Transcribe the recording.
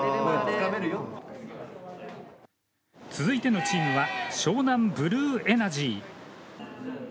続いてのチームは湘南ブルーエナジー。